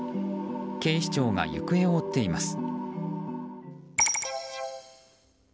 警視庁が行方を追っています。